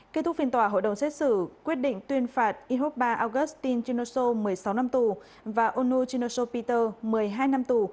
kết thúc phiên tòa hội đồng xét xử quyết định tuyên phạt ihoba augustin chinosho một mươi sáu năm tù và onu chinosho peter một mươi hai năm tù